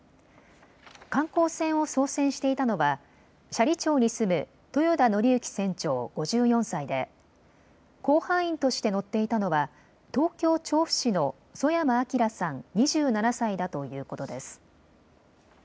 観光船を操船していたのは斜里町に住む豊田徳幸船長、５４歳で甲板員として乗っていたのは東京調布市の曽山聖さん、２７歳だということです。